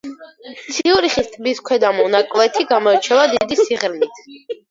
ციურიხის ტბის ქვედა მონაკვეთი გამოირჩევა დიდი სიღრმით.